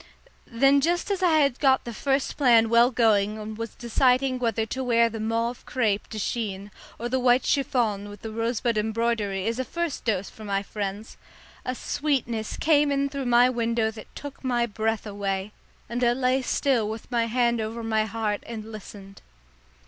Then just as I had got the first plan well going and was deciding whether to wear the mauve crêpe de Chine or the white chiffon with the rosebud embroidery as a first dose for my friends, a sweetness came in through my window that took my breath away, and I lay still with my hand over my heart and listened.